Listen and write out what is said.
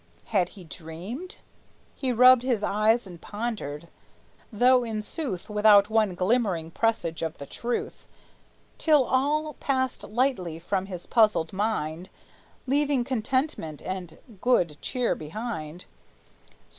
Had he dreamed? He rubbed his eyes and pondered, though in sooth Without one glimmering presage of the truth, Till all passed lightly from his puzzled mind, Leaving contentment and good cheer behind.